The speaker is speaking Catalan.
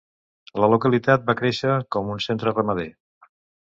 La localitat va créixer com un centre ramader.